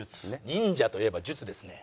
忍者といえば術ですね。